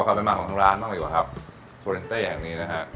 คุ้มขัมมากของทางร้านนั่งดีกว่าครับอย่างนี้นะฮะ